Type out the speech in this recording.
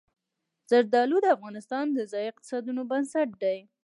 زردالو د افغانستان د ځایي اقتصادونو بنسټ دی.